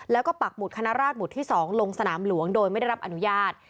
แล้วก็ปักหุดคณะราชหุดที่๒ลงสนามหลวงโดยไม่ได้รับอนุญาต